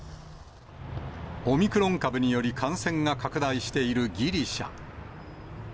オミクロン株により感染が拡大しているギリシャ。